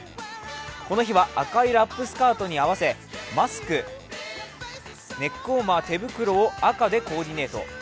この日は赤いラップスカートに合わせマスク、ネックウォーマー、手袋を赤でコーディネート。